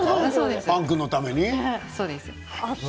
ファン君のために？